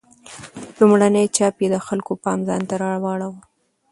لومړنی چاپ یې د خلکو پام ځانته راواړاوه.